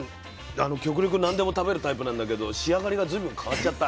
極力何でも食べるタイプなんだけど仕上がりが随分変わっちゃった。